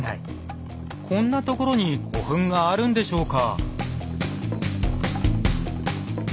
こんなところに古墳があるんでしょうか？